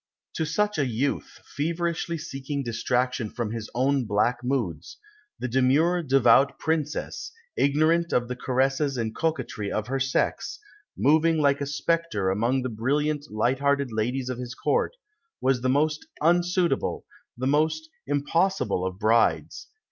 To such a youth, feverishly seeking distraction from his own black moods, the demure, devout Princess, ignorant of the caresses and coquetry of her sex, moving like a spectre among the brilliant, light hearted ladies of his Court, was the most unsuitable, the most impossible of brides.